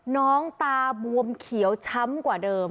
น้องตาบวมเขียวช้ำกว่าเดิม